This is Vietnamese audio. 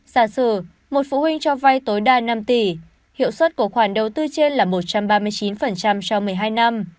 sản sử một phụ huynh cho vay tối đa năm tỷ hiệu suất của khoản đầu tư trên là một trăm ba mươi chín trong một mươi hai năm